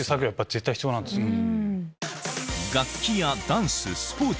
絶対必要なんですね。